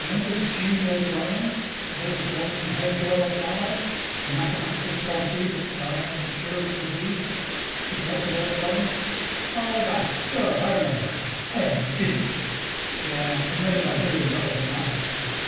"Remember Junie O'Brien? The little golden haired girl on Mars, a mathematical prodigy, but dying of an incurable disease? She collected Earth coins." "Oh, that. Sure, I remember Hey! You didn't!" "Yes. We made about a billion dollars on that one."